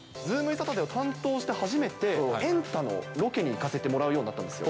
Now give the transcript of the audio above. サタデーを担当してはじめて、エンタのロケに行かせてもらうようになったんですよ。